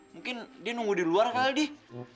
mungkin dia nunggu di luar kali